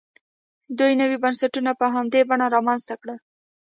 دوی نوي بنسټونه په همدې بڼه رامنځته کړل.